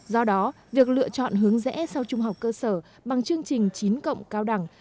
do đó việc lựa chọn hướng rẽ sau trung học cơ sở bằng chương trình chín cộng cao đẳng